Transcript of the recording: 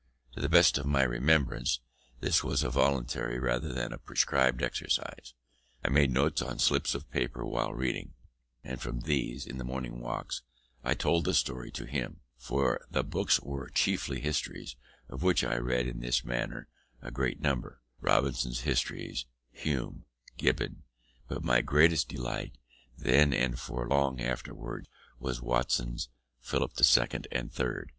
To the best of my remembrance, this was a voluntary rather than a prescribed exercise. I made notes on slips of paper while reading, and from these in the morning walks, I told the story to him; for the books were chiefly histories, of which I read in this manner a great number: Robertson's histories, Hume, Gibbon; but my greatest delight, then and for long afterwards, was Watson's Philip the Second and Third.